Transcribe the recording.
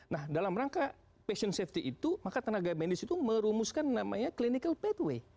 nah dalam rangka passion safety itu maka tenaga medis itu merumuskan namanya clinical pathway